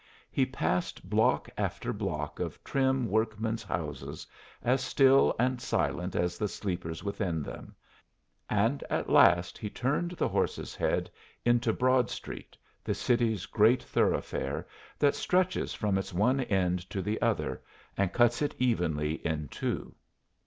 He passed block after block of trim work men's houses, as still and silent as the sleepers within them, and at last he turned the horse's head into Broad Street, the city's great thoroughfare, that stretches from its one end to the other and cuts it evenly in two.